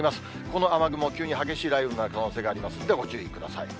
この雨雲、急に激しい雷雨になる可能性がありますんで、ご注意ください。